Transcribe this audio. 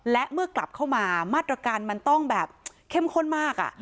และเมื่อกลับเข้ามามาตรการมันต้องแบบเข้มข้นมาก